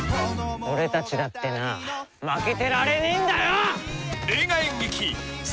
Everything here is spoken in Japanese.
俺たちだってな負けてられねぇんだよ！